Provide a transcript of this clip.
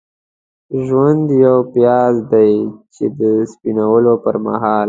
ژوند یو پیاز دی چې د سپینولو پرمهال.